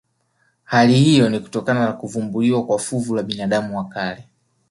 Hali hiyo ni kutokana na kuvumbuliwa kwa fuvu la binadamu wa kale